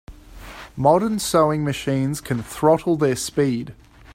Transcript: Modern sewing machines can throttle their speed.